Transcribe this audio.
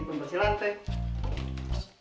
ini pembersih lantai